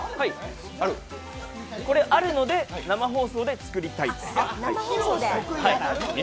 あるので、生放送で作りたい。